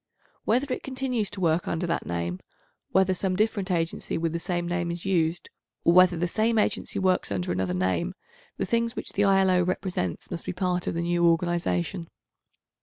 Whether it continues to work under that name, whether some different agency with the same name is used, or whether the same agency works under another name, the things which the I.L.O. represents must be part of the new organisation.